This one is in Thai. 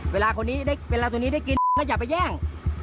เวลาตัวนี้ได้กินอย่าไปแย่ง